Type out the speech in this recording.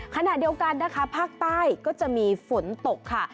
ขณะเดียวกันนะคะภาคใต้ก็จะมีฝนตกค่ะ